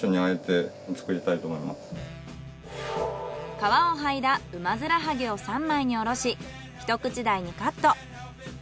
皮をはいだウマヅラハギを３枚におろしひと口大にカット。